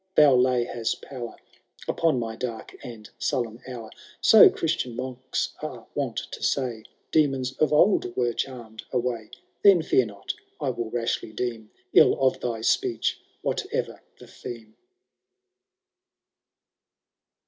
Thy lay has power Upon my daxk and sullen hour ; So Christian monks are wont to say Demons of old were charmed away ; Then fear not I will rashly deem 111 of thy speech, whatever the theme.